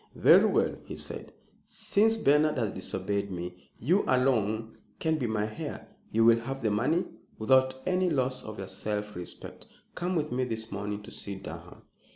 "Very well," he said, "since Bernard has disobeyed me, you alone can be my heir. You will have the money without any loss of your self respect. Come with me this morning to see Durham."